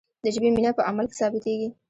د ژبې مینه په عمل کې ثابتیږي.